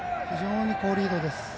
非常に好リードです。